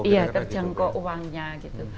iya terjangkau uangnya gitu